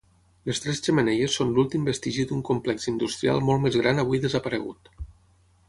Les Tres Xemeneies són l'últim vestigi d'un complex industrial molt més gran avui desaparegut.